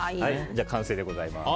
完成でございます。